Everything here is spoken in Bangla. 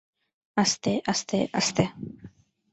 আস্তে, আস্তে, আস্তে।